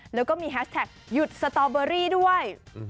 แล้วก็มีแฮชแท็กหยุดสตอเบอรี่ด้วย